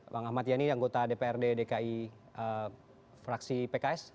bang ahmad yani anggota dprd dki fraksi pks